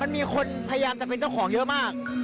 มันมีคนพยายามจะเป็นเจ้าของเยอะมาก